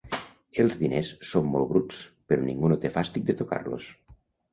Els diners són molt bruts, però ningú no té fàstic de tocar-los.